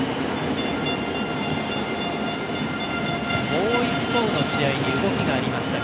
もう一方の試合に動きがありました。